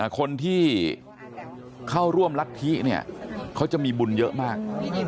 คนที่เข้าร่วมรัฐธิเนี่ยเขาจะมีบุญเยอะมาก